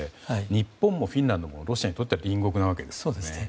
日本もフィンランドもロシアにとっては隣国ですよね。